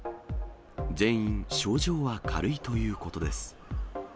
全員症状は軽いということです。